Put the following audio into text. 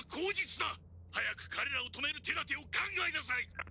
早く彼らを止める手だてを考えなさい！